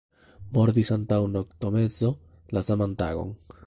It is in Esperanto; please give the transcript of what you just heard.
Mortis antaŭ noktomezo la saman tagon.